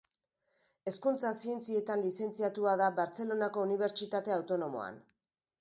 Hezkuntza Zientzietan lizentziatua da Bartzelonako Unibertsitate Autonomoan.